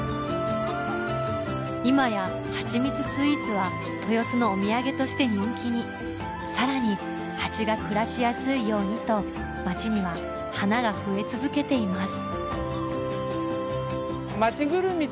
今やはちみつスイーツは豊洲のお土産として人気にさらにハチが暮らしやすいようにと街には花が増え続けています